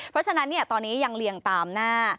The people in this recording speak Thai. เพราะฉะนั้นตอนนี้ยังเรียงตามหน้า